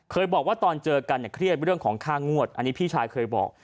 บอกว่าตอนเจอกันเนี่ยเครียดเรื่องของค่างวดอันนี้พี่ชายเคยบอก